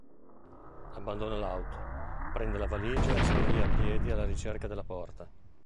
Abbandona l'auto, prende la valigia e si avvia a piedi alla ricerca della porta.